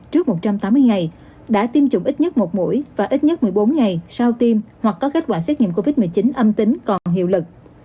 trước một trăm tám mươi ngày đã tiêm chủng ít nhất một mũi và ít nhất một mươi bốn ngày sau tiêm hoặc có kết quả xét nghiệm covid một mươi chín âm tính còn hiệu lực